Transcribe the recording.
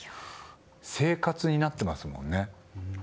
生活になってますもんね。